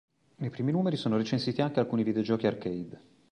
Nei primi numeri sono recensiti anche alcuni videogiochi arcade.